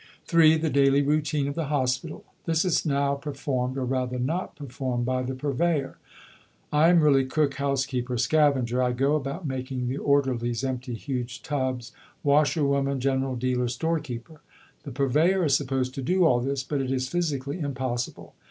(3) The daily routine of the Hospital. This is now performed, or rather not performed by the Purveyor. I am really cook, housekeeper, scavenger (I go about making the Orderlies empty huge tubs), washer woman, general dealer, store keeper. The Purveyor is supposed to do all this, but it is physically impossible.